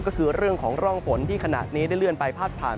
ก็คือเรื่องของร่องฝนที่ขณะนี้ได้เลื่อนไปพาดผ่าน